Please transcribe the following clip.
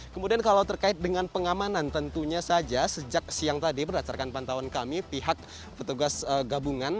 kemudian kalau terkait dengan pengamanan tentunya saja sejak siang tadi berdasarkan pantauan kami pihak petugas gabungan